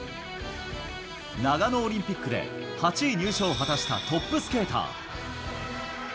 長野オリンピックで８位入賞を果たしたトップスケーター。